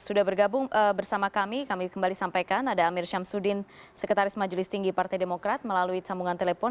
sudah bergabung bersama kami kami kembali sampaikan ada amir syamsuddin sekretaris majelis tinggi partai demokrat melalui sambungan telepon